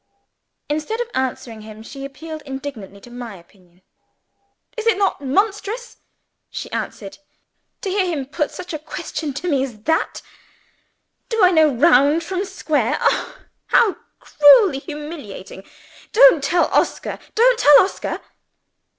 Instead of answering him, she appealed indignantly to my opinion. "Is it not monstrous," she asked, "to hear him put such a question to me as that? Do I know round from square? Oh, how cruelly humiliating! Don't tell Oscar! don't tell Oscar!"